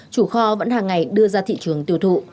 chủ kho vẫn hàng ngày đưa ra thị trường tiêu thụ